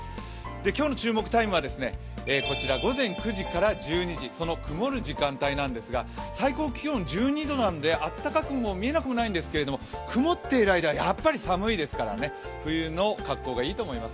今日の注目「ＴＩＭＥ，」は、こちら午前９時から１２時その曇る時間帯なんですが、最高気温１２度なのであったかくもみえなくもないんですけれども曇っている間は寒いですから、冬の格好がいいと思います。